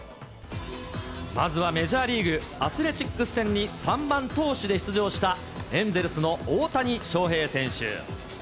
まずはメジャーリーグ・アスレチックス戦に３番投手で出場した、エンゼルスの大谷翔平選手。